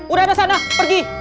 udah ada sana pergi